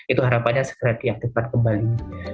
itu harapannya segera diaktifkan kembali